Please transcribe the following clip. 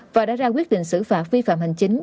và đã ra quyết định xử phạt vi phạm hành chính